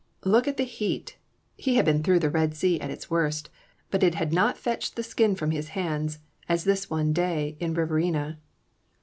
Look at the heat! He had been through the Red Sea at its worst, but it had not fetched the skin from his hands as this one day in Riverina.